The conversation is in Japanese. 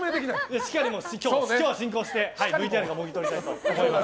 しっかり今日は進行してＶＴＲもぎ取りたいと思います。